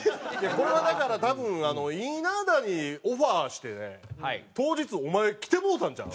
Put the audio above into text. これはだから多分稲田にオファーしてて当日お前来てもうたんちゃう？